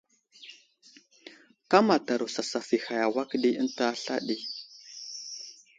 Kámataro sasaf i hay i awak ɗi ənta sla ɗi.